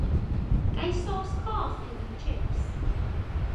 Ga i sôs coch gyda fy tsips?